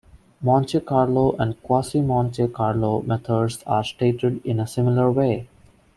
Monte Carlo and quasi-Monte Carlo methods are stated in a similar way.